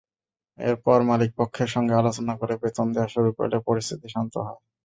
এরপর মালিকপক্ষের সঙ্গে আলোচনা করে বেতন দেওয়া শুরু করলে পরিস্থিতি শান্ত হয়।